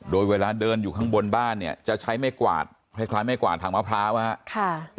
โดยเวลาเดินอยู่ข้างบนบ้านเนี่ยจะใช้ไม่กวาดคล้ายไม่กวาดถังมะพร้าวนะครับ